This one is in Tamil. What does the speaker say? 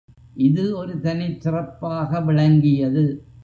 இது ஒரு தனிச் சிறப்பாக விளங்கியது.